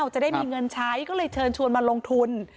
จะได้มีเงินใช้ก็เลยเชิญชวนมาลงทุน